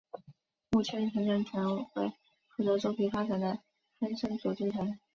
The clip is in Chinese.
木栓形成层为负责周皮发展的分生组织层。